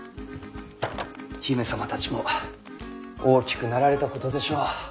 姫様たちも大きくなられたことでしょう。